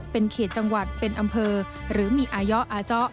เป็นเขตจังหวัดเป็นอำเภอหรือมีอายะอาเจาะ